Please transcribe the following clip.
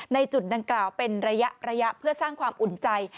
ในจุดดังกล่าวเป็นระยะเพื่อสร้างความอุ่นใจ